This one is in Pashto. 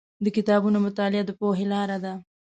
د کتابونو مطالعه د پوهې لاره ده.